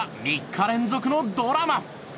３日連続のドラマ。